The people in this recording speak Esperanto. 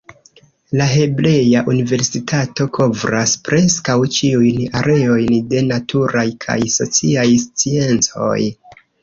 La Hebrea Universitato kovras preskaŭ ĉiujn areojn de naturaj kaj sociaj sciencoj.